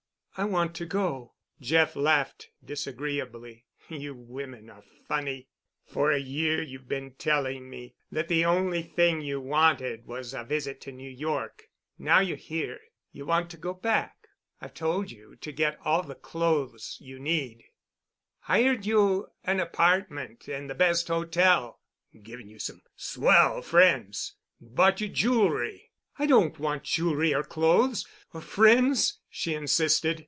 "I want to go." Jeff laughed disagreeably. "You women are funny. For a year you've been telling me that the only thing you wanted was a visit to New York. Now you're here, you want to go back. I've told you to get all the clothes you need, hired you an apartment in the best hotel, given you some swell friends, bought you jewelry——" "I don't want jewelry, or clothes, or friends," she insisted.